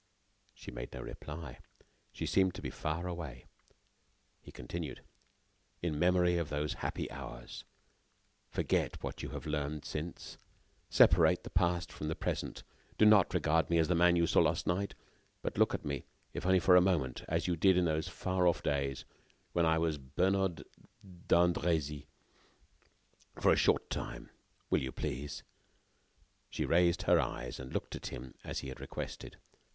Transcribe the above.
She made no reply. She seemed to be far away. He continued: "In memory of those happy hours, forget what you have learned since. Separate the past from the present. Do not regard me as the man you saw last night, but look at me, if only for a moment, as you did in those far off days when I was Bernard d'Andrezy, for a short time. Will you, please?" She raised her eyes and looked at him as he had requested.